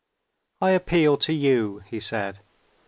"I appeal to you," he said.